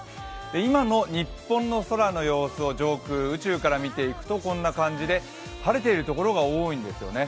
今の日本の空の様子を上空、宇宙から見ていくとこんな感じで晴れているところが多いんですね。